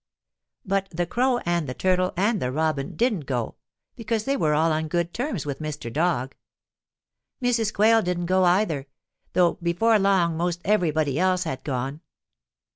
But the Crow and the Turtle and the Robin didn't go because they were all on good terms with Mr. Dog. Mrs. Quail didn't go either, though before long most everybody else had gone.